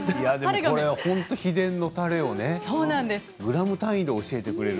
これは本当秘伝のたれをねｇ単位で教えてくれる。